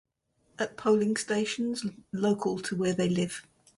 At polling stations, l- local to where they live.